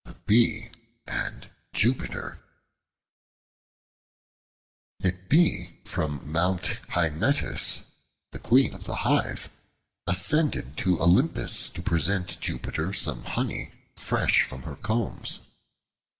The Bee and Jupiter A BEE from Mount Hymettus, the queen of the hive, ascended to Olympus to present Jupiter some honey fresh from her combs.